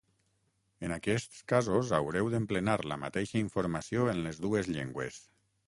En aquests casos haureu d'emplenar la mateixa informació en les dues llengües.